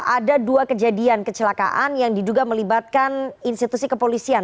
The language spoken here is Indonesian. ada dua kejadian kecelakaan yang diduga melibatkan institusi kepolisian